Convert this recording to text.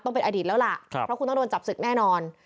ต้องเป็นอดีตแล้วล่ะเพราะคุณต้องโดนจับศึกแน่นอน